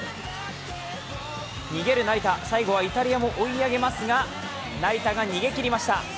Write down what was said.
逃げる成田、最後はイタリアも追い上げますが成田が逃げ切りました。